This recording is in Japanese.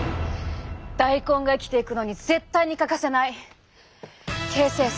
大根が生きていくのに絶対に欠かせない形成層。